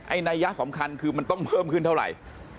นัยยะสำคัญคือมันต้องเพิ่มขึ้นเท่าไหร่